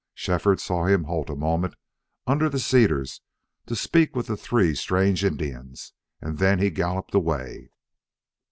Shefford saw him halt a moment under the cedars to speak with the three strange Indians, and then he galloped away.